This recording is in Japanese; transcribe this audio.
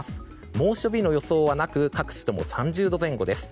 猛暑日の予想はなく各地とも３０度前後です。